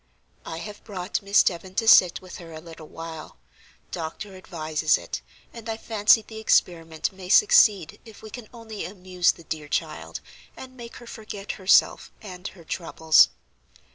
"I have brought Miss Devon to sit with her a little while. Doctor advises it, and I fancy the experiment may succeed if we can only amuse the dear child, and make her forget herself and her troubles."